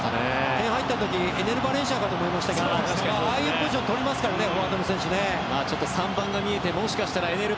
点が入ったときエネル・バレンシアかと思いましたがああいうポジションとりますからね３番が見えてもしかしてエネル